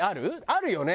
あるよね？